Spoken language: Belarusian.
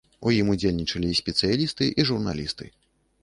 У ім удзельнічалі спецыялісты і журналісты.